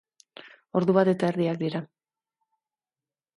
Ordu bat eta erdiak dira.